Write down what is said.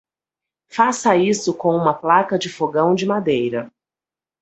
Faça isso com uma placa de fogão de madeira.